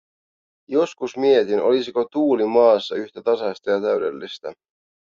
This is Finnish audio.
Joskus mietin, olisiko tuuli maassa yhtä tasaista ja täydellistä.